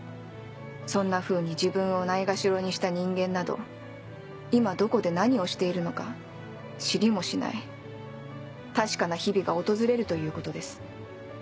そんなふうに自分をないがしろにした人間など今どこで何をしているのか知りもしない確かな日々が訪れるということです。